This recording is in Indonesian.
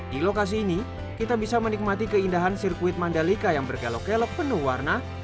di lokasi ini kita bisa menikmati keindahan sirkuit mandalika yang berkelok kelok penuh warna